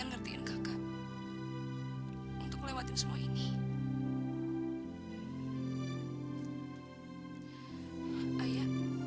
sampai jumpa di video selanjutnya